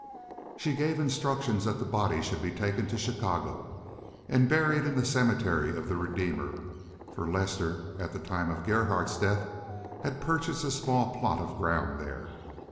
She gave instructions that the body should be taken to Chicago and buried in the Cemetery of the Redeemer, for Lester, at the time of Gerhardt's death, had purchased a small plot of ground there.